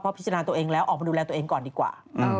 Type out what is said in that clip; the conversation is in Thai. พิจารณาตัวเองแล้วออกมาดูแลตัวเองก่อนดีกว่า